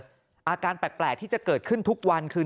อาการแปลกที่จะเกิดขึ้นทุกวันคือ